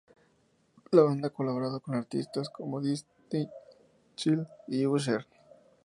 La banda ha colaborado con artistas como Destiny’s Child y Usher.